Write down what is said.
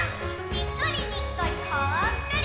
にっこりにっこりほっこり！